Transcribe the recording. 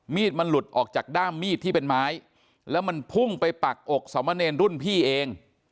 มีดมันหลุดออกจากด้ามมีดที่เป็นไม้แล้วมันพุ่งไปปักอกสมเนรรุ่นพี่เอง